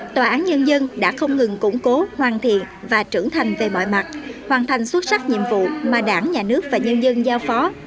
tòa án nhân dân đã không ngừng củng cố hoàn thiện và trưởng thành về mọi mặt hoàn thành xuất sắc nhiệm vụ mà đảng nhà nước và nhân dân giao phó